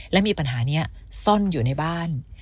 และมีปัญหานี้ซ่อนอยู่ในบ้าน